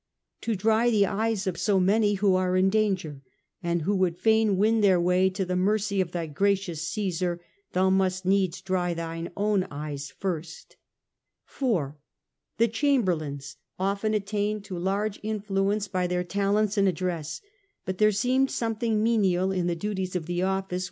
To dry the tears of so many who are in danger, and would fain win their way to the mercy of thy gracious Caesar, thou must needs dry thine own eyes first.^ 4°. The Chamberlains often attained to large in fluence by their talents and address ; bht there seemed something menial in the duties of the office, ^ ^ubj.